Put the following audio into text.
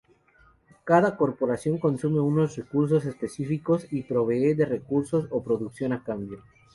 Cada corporación consume unos recursos específicos, y provee de recursos o producción a cambio.